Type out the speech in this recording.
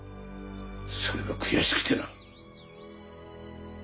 それが悔しくてな。